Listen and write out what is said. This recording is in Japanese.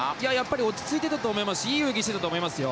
落ち着いていたと思いますしいい泳ぎをしていたと思いますよ。